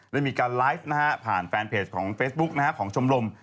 ได้มีการไลฟ์ผ่านแฟนเพจของเฟซบุ๊กของชมรม